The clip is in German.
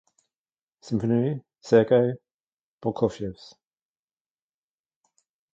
Symphonie Sergei Prokofjews.